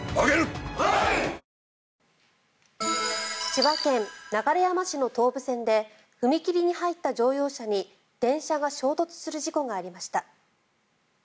千葉県流山市の東武線で踏切に入った乗用車に電車が衝突する事故がありました。